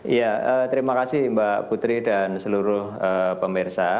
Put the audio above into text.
ya terima kasih mbak putri dan seluruh pemirsa